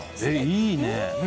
いいね。